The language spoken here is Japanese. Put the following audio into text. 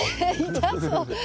痛そう？